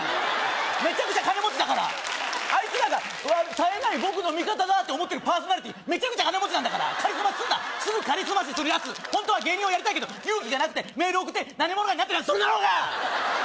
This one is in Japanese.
メチャクチャ金持ちだからアイツらが「さえない僕の味方だ」って思ってるパーソナリティーメチャクチャ金持ちなんだからカリスマ視すんなすぐカリスマ視するヤツホントは芸人をやりたいけど勇気がなくてメール送って何者かになってたりするだろうが！